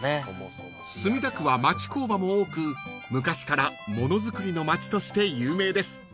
［墨田区は町工場も多く昔からものづくりのまちとして有名です］